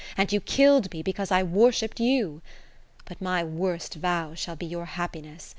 And you kill'd me because I worshipp'd you. But my worst vows shall be your happiness.